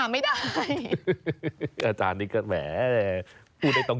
ไม่อาจารย์บอก